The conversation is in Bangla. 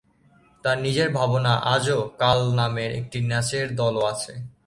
তার নিজের "ভাবনা আজ ও কাল" নামে একটি নাচের দলও আছে।